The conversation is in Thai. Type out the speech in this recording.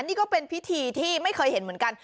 นี่ก็เป็นพิธีที่ไม่เคยเห็นเหมือนกัน